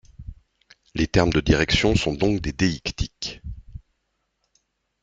Les termes de direction sont donc des déictiques.